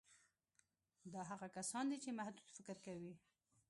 دا هغه کسان دي چې محدود فکر کوي